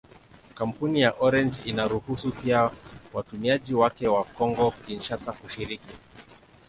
Kampuni ya Orange inaruhusu pia watumiaji wake wa Kongo-Kinshasa kushiriki.